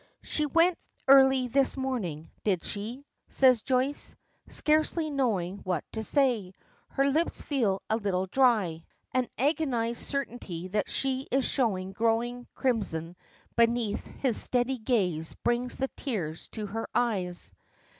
"She went early this morning, did she?" says Joyce, scarcely knowing what to say. Her lips feel a little dry; an agonized certainty that she is slowly growing crimson beneath his steady gaze brings the tears to her eyes.